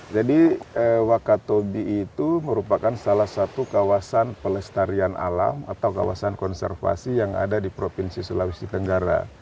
jadi wakatobi itu merupakan salah satu kawasan pelestarian alam atau kawasan konservasi yang ada di provinsi sulawesi tenggara